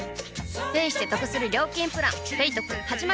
ペイしてトクする料金プラン「ペイトク」始まる！